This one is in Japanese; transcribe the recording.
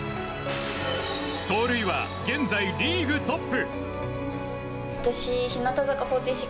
盗塁は現在リーグトップ。